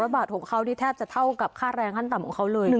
บาทของเขานี่แทบจะเท่ากับค่าแรงขั้นต่ำของเขาเลย